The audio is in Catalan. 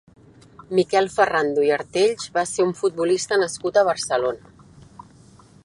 Miquel Ferrando i Artells va ser un futbolista nascut a Barcelona.